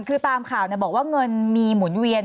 คือตามข่าวบอกว่าเงินมีหมุนเวียน